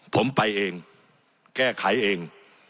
ผมไปเองแก้ไขเอง